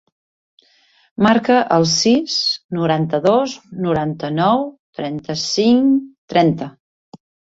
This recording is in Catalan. Marca el sis, noranta-dos, noranta-nou, trenta-cinc, trenta.